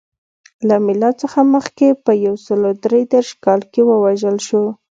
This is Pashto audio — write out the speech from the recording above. له میلاد څخه مخکې په یو سل درې دېرش کال کې ووژل شو.